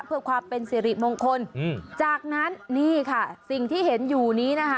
เพื่อความเป็นสิริมงคลจากนั้นนี่ค่ะสิ่งที่เห็นอยู่นี้นะคะ